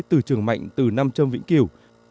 từ trường mạnh từ nam trâm vĩnh kiều